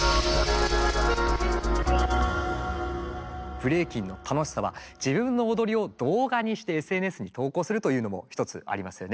ブレイキンの楽しさは自分の踊りを動画にしてＳＮＳに投稿するというのも一つありますよね。